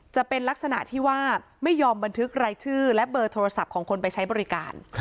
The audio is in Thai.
จะเป็นลักษณะที่ว่าไม่ยอมบันทึกรายชื่อและเบอร์โทรศัพท์ของคนไปใช้บริการ